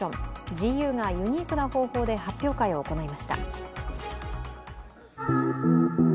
ＧＵがユニークな方法で発表会を行いました。